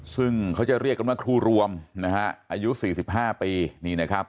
ซึ่งเขาจะเรียกกันว่าครูรวมนะฮะอายุ๔๕ปีนี่นะครับ